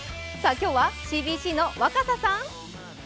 今日はＣＢＣの若狭さん。